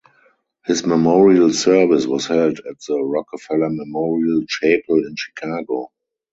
His memorial service was held at the Rockefeller Memorial Chapel in Chicago.